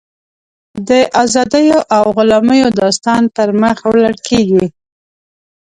د ازادیو او غلامیو داستان پر مخ وړل کېږي.